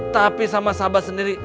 tapi sama sahabat sendiri